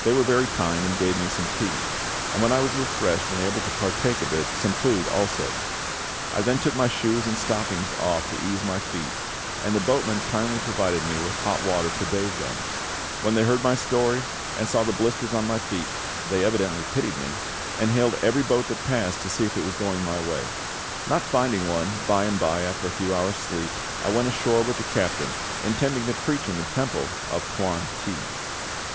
They were very kind, and gave me some tea; and when I was refreshed and able to partake of it, some food also. I then took my shoes and stockings off to ease my feet, and the boatman kindly provided me with hot water to bathe them. When they heard my story, and saw the blisters on my feet, they evidently pitied me, and hailed every boat that passed to see if it was going my way. Not finding one, by and by, after a few hours' sleep, I went ashore with the captain, intending to preach in the temple of Kwan ti.